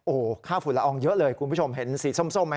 โอ้โหค่าฝุ่นละอองเยอะเลยคุณผู้ชมเห็นสีส้มไหมฮ